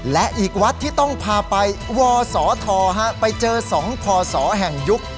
และอีกวัดที่ต้องพาไปวศธไปเจอ๒พศแห่งยุค